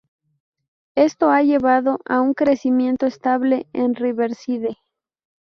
Esto ha llevado a un crecimiento estable en Riverside.